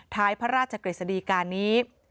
ท้ายพระราชกฤษฎีการนี้